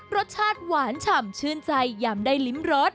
รสชาติหวานฉ่ำชื่นใจยำได้ลิ้มรส